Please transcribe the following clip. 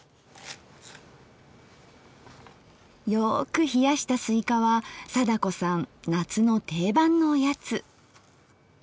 よく冷やしたスイカは貞子さん夏の定番のおやつ。